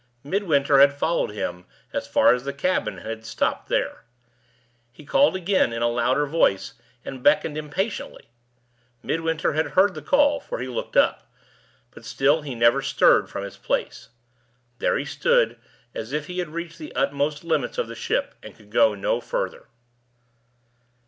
Midwinter had followed him as far as the cabin, and had stopped there. He called again in a louder voice, and beckoned impatiently. Midwinter had heard the call, for he looked up, but still he never stirred from his place. There he stood, as if he had reached the utmost limits of the ship and could go no further.